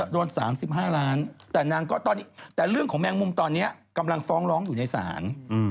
โดน๓๕ล้านแต่เรื่องของแมงมุมตอนนี้กำลังฟ้องร้องอยู่ในศาล